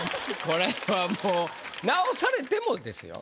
これはもう直されてもですよ。